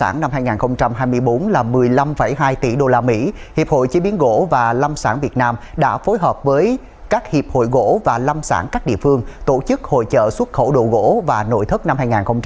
năm hai nghìn hai mươi bốn là một mươi năm hai tỷ usd hiệp hội chế biến gỗ và lâm sản việt nam đã phối hợp với các hiệp hội gỗ và lâm sản các địa phương tổ chức hội trợ xuất khẩu đồ gỗ và nội thất năm hai nghìn hai mươi bốn